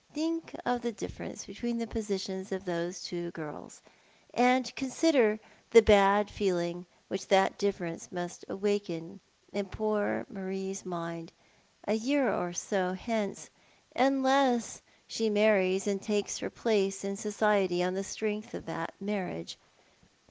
Think of the difference between the positions of those two girls ; and consider the bad feeling which that difference must awaken in poor Marie's mind, a year or so hence, unless she marries and takes her place in society on the strength of that marriage.